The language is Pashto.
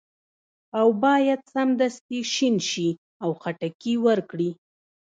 او باید سمدستي شین شي او خټکي ورکړي.